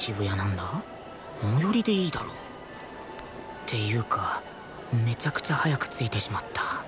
っていうかめちゃくちゃ早く着いてしまった